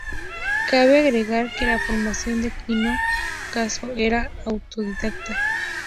Cabe agregar que la formación de Quino Caso era autodidacta.